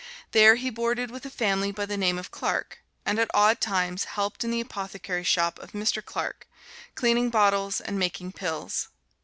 There he boarded with a family by the name of Clark, and at odd times helped in the apothecary shop of Mr. Clark, cleaning bottles and making pills.